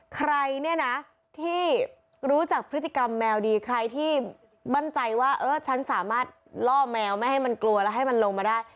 ใครเนี่ยนะที่รู้จักพฤติกรรมแมวดีใครที่มั่นใจว่าเออฉันสามารถล่อแมวไม่ให้มันกลัวแล้วให้มันลงมาได้